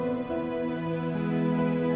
tidak ada yang lebih baik